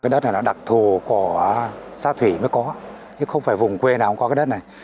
đất này là đặc thù của xã thủy mới có chứ không phải vùng quê nào cũng có cái đất này